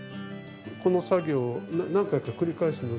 この作業を何回か繰り返すので。